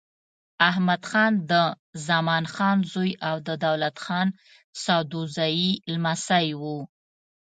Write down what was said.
احمدخان د زمان خان زوی او د دولت خان سدوزايي لمسی و.